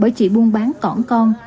bởi chị buôn bán cỏn con